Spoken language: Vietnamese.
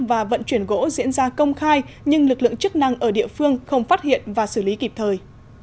và vận chuyển gỗ diễn ra công khai nhưng lực lượng chức năng ở địa phương không phát hiện và xử lý kịp thời